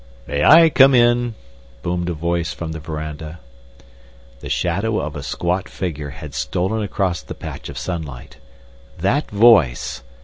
"May I come in?" boomed a voice from the veranda. The shadow of a squat figure had stolen across the patch of sunlight. That voice!